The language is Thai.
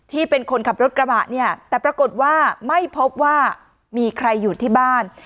ที่เป็นคนขับรถกระบะเนี่ยแต่ปรากฏว่าไม่พบว่ามีใครอยู่ที่บ้าน